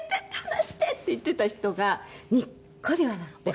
離して」って言っていた人がにっこり笑って。